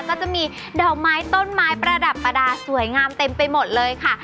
ก็จะมีดอกไม้ต้นไม้ประดับประดาษสวยงามเต็มไปหมดเลยค่ะ